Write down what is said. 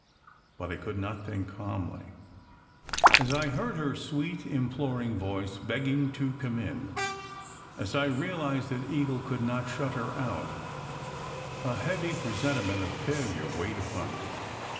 But I could not think calmly. And as I heard her sweet, imploring voice, begging to come in, as I realized that Eagle could not shut her out, a heavy presentiment of failure weighed upon me.